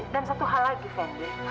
dan satu hal lagi fendi